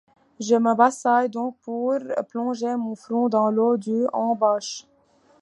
Je me baissai donc pour plonger mon front dans l’eau du Hans-bach !